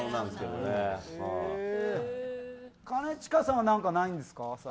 兼近さんは何かないんですか？